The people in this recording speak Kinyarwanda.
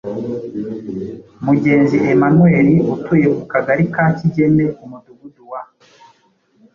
Mugenzi Emmanuel utuye mu kagari ka Kigeme umudugudu wa